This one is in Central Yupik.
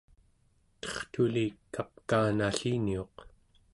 tertuli kapkaanalliniuq